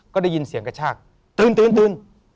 ก็ได้ยินเสียงกระชากตื่น